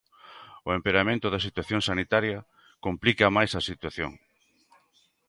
O empeoramento da situación sanitaria complica máis a situación.